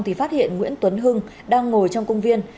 thì phát hiện nguyễn tuấn hưng đang ngồi trong công viên